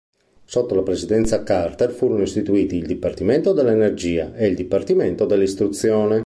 Sotto la presidenza Carter furono istituiti il Dipartimento dell'Energia e il Dipartimento dell'Istruzione.